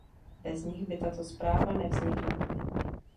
Bez nich by tato zpráva nevznikla.